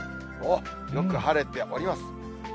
おっ、よく晴れております。